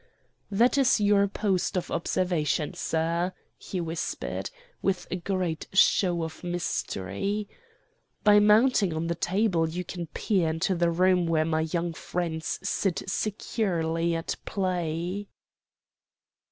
'That is your post of observation, sir,' he whispered, with a great show of mystery. 'By mounting on the table you can peer into the room where my young friends sit securely at play.